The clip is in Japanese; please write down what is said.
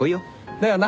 だよな？